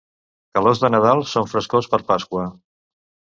Calors de Nadal són frescors per Pasqua.